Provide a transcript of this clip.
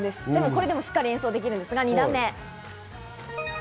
これでも演奏できるんですが、２段目。